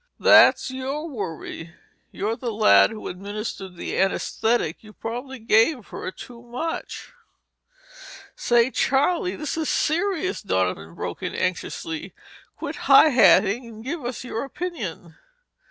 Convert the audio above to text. "That's your worry. You're the lad who administered the anesthetic. You probably gave her too much." "Say, Charlie, this is serious," Donovan broke in anxiously. "Quit high hatting and give us your opinion."